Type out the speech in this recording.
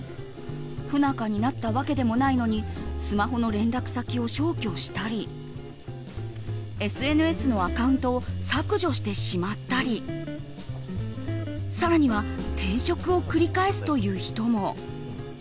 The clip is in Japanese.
不仲になったわけでもないのにスマホの連絡先を消去したりＳＮＳのアカウントを削除してしまったり更には転職を繰り返すという人も。